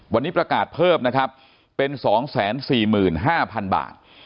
วันนี้ประกาศเพิ่มนะครับเป็น๒๔๕๐๐๐บาท